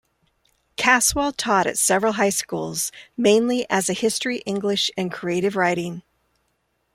Caswell taught at several high schools, mainly as a history, English and creative writing.